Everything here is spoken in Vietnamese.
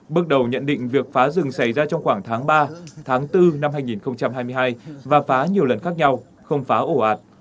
bước đầu nhận định việc phá rừng xảy ra trong khoảng tháng ba tháng bốn năm hai nghìn hai mươi hai và phá nhiều lần khác nhau không phá ổ ạt